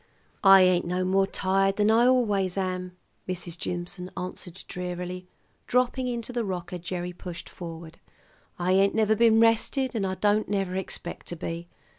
"I ain't no more tired than I always am," Mrs. Jimson answered drearily, dropping into the rocker Gerry pushed forward. "I ain't never been rested, and I don't never expect to be.